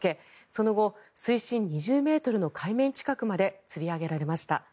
その後、水深２０ｍの海面近くまでつり上げられました。